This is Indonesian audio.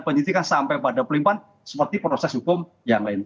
penyidikan sampai pada pelimpan seperti proses hukum yang lain